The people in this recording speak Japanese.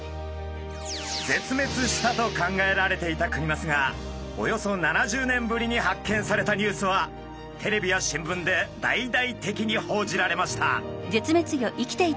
絶滅したと考えられていたクニマスがおよそ７０年ぶりに発見されたニュースはテレビや新聞で大々的に報じられました。